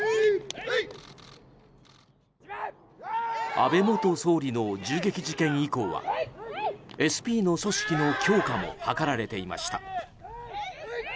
安倍元総理の銃撃事件以降はＳＰの組織の強化も図られていました。